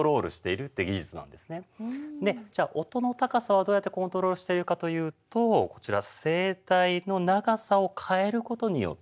じゃあ音の高さはどうやってコントロールしているかというとこちら声帯の長さを変えることによって変わります。